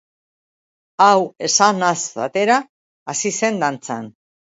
Hau esanaz batera hasi zen dantzan.